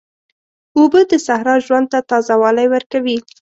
اوبه د صحرا ژوند ته تازه والی ورکوي.